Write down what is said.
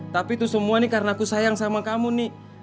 tapi itu semua nih karena aku sayang sama kamu nih